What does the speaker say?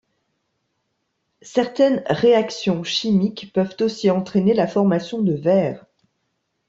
Certaines réactions chimiques peuvent aussi entraîner la formation de verres.